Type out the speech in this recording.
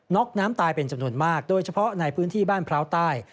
็อกน้ำตายเป็นจำนวนมากโดยเฉพาะในพื้นที่บ้านพร้าวใต้